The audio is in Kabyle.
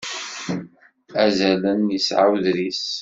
Azalen yesɛa uḍris.